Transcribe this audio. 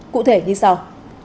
cụ thể như sau